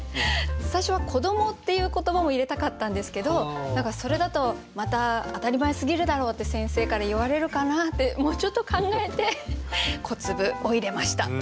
最初は「子供」っていう言葉も入れたかったんですけど何かそれだとまた「当たり前すぎるだろ」って先生から言われるかな？ってもうちょっと考えて「こつぶ」を入れました。